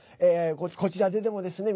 こちらででもですね